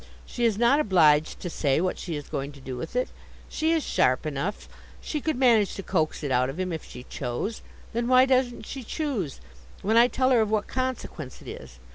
She is not obliged to say what she is going to do with it; she is sharp enough; she could manage to coax it out of him, if she chose. Then why doesn't she choose, when I tell her of what consequence it is?